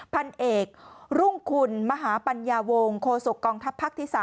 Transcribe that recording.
พันธ์เอกรุ่งคุณมหาปัญญาวงศ์โฆษกองทัพภักษ์ที่๓